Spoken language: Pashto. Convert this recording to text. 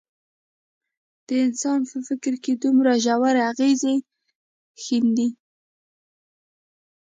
د انسان په فکر دومره ژور اغېز ښندي.